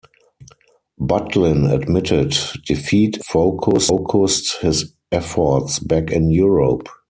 Butlin admitted defeat and focused his efforts back in Europe.